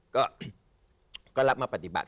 ก็รับมาปฏิบัติ